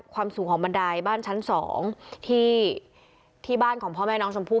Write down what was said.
ความสูงของบันไดบ้านชั้น๒ที่บ้านของพ่อแม่น้องชมพู่